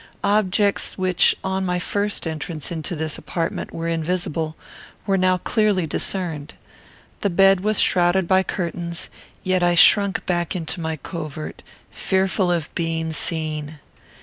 Objects which, on my first entrance into this apartment, were invisible, were now clearly discerned. The bed was shrouded by curtains, yet I shrunk back into my covert, fearful of being seen.